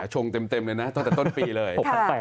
ชงเต็มเลยนะตั้งแต่ต้นปีเลย